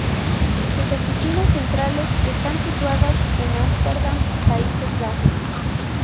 Sus oficinas centrales están situadas en Amsterdam, Países Bajos.